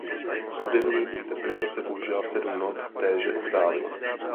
Hudební interpretace používá sedm not téže oktávy.